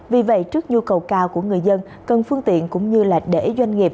vì vậy trước nhu cầu cao của người dân cần phương tiện cũng như là để doanh nghiệp